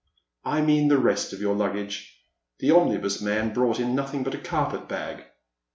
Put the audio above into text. " I mean the rest of your luggage. The omnibus man brought in notlung but a carpet bag."